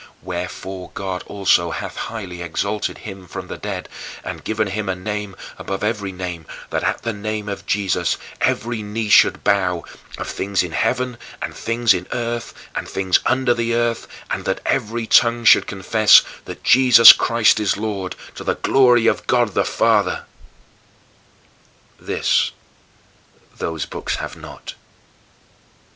Wherefore God also hath highly exalted him" from the dead, "and given him a name above every name; that at the name of Jesus every knee should bow, of things in heaven, and things in earth, and things under the earth; and that every tongue should confess that Jesus Christ is Lord, to the glory of God the Father" this those books have not.